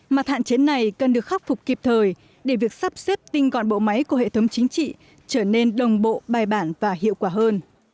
mặt hạn chế này cần được khắc phục kịp thời để việc sắp xếp tinh gọn bộ máy của hệ thống chính trị trở nên đồng bộ bài bản và hiệu quả hơn